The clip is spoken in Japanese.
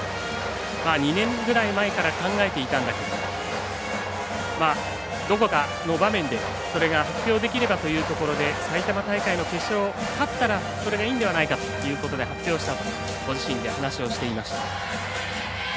２年ぐらい前から考えていたんだけれどもどこかの場面で、それが発表できればというところで埼玉大会の決勝を勝ったらそれがいいんではないかと発表したとご自身で話をしていました。